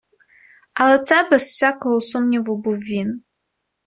Але це, без всякого сумніву, був він.